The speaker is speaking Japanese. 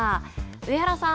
上原さん